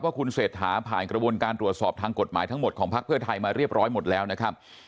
ว่าคุณเศรษฐาผ่านกระบวนการตรวจสอบทางกฎหมายทั้งหมดของพักเพื่อไทยมาเรียบร้อยหมดแล้วนะครับ